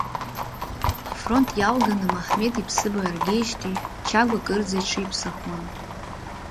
Афронгт иалганы, Маҳмед иԥсыбаҩ ааргазижьҭеи, Чагә акырӡа иҽиԥсахуан.